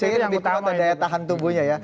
vitamin c yang lebih kuat dan daya tahan tubuhnya ya